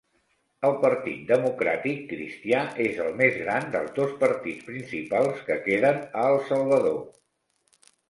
El Partit democràtic cristià es el més grans dels dos partits principals que queden a El Salvador.